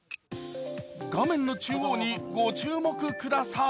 画面の中央にご注目ください